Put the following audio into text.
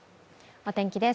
お天気です。